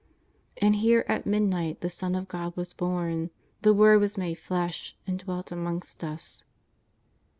And here at mid night the Son of God was born; the Word was made Flesh and dwelt amongst us.